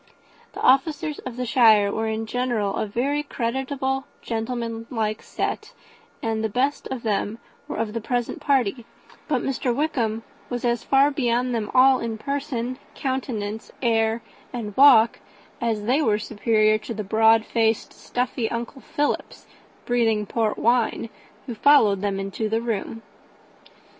The officers of the shire were in general a very creditable, gentlemanlike set and the best of them were of the present party; but Mr, Wickham was as far beyond them all in person, countenance, air, and walk, as they were superior to the broad faced stuffy uncle Philips, breathing port wine, who followed them into the room.